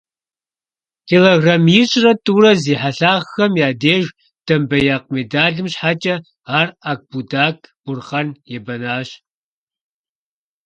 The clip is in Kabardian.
Килограмм ищӀрэ тӀурэ зи хьэлъагъхэм я деж домбеякъ медалым щхьэкӀэ ар Акбудак Бурхъан ебэнащ.